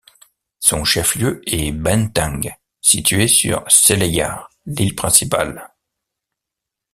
Son chef-lieu est Benteng, situé sur Selayar, l'île principale.